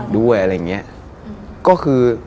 ด้วยแล้วก็คือ